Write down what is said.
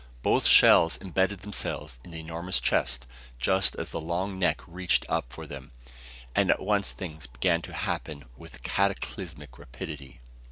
Both shells imbedded themselves in the enormous chest, just as the long neck reached up for them. And at once things began to happen with cataclysmic rapidity.